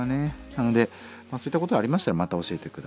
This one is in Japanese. なのでそういったことがありましたらまた教えて下さい。